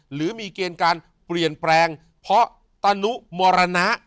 หรือมีเกณฑ์การเปลี่ยนแปลงเพราะตนุมรณะ